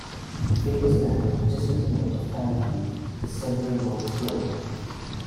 A famous landmark just to the north of Ti Tree is Central Mount Stuart.